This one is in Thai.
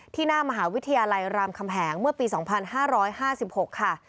หน้ามหาวิทยาลัยรามคำแหงเมื่อปี๒๕๕๖ค่ะ